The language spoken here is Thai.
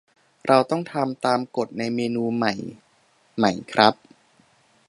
เราต้องทำตามกฎในเมนูใหม่ไหมครับ